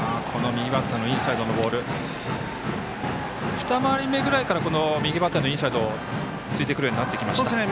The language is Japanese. ２回り目ぐらいから右バッターのインサイドをついてくるようになりました。